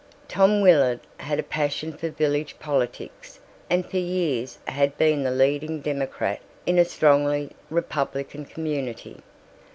Tom Willard had a passion for village politics and for years had been the leading Democrat in a strongly Republican community.